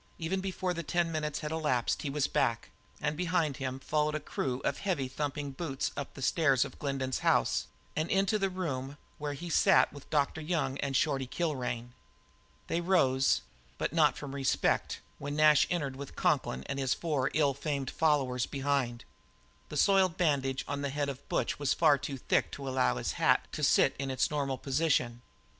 Even before the ten minutes had elapsed he was back, and behind followed a crew of heavy thumping boots up the stairs of Glendin's house and into the room where he sat with Dr. Young and Shorty Kilrain. They rose, but not from respect, when Nash entered with Conklin and his four ill famed followers behind. The soiled bandage on the head of Butch was far too thick to allow his hat to sit in its normal position.